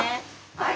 はい！